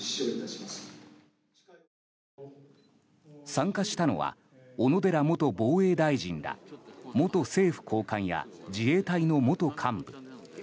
参加したのは小野寺元防衛大臣ら元政府高官や自衛隊の元幹部。